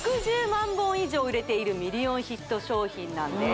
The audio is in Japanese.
売れているミリオンヒット商品なんです